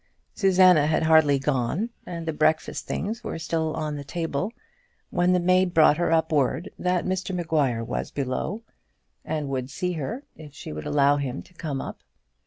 Susanna had hardly gone, and the breakfast things were still on the table, when the maid brought her up word that Mr Maguire was below, and would see her if she would allow him to come up.